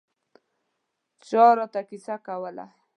چا راته کیسه کوله.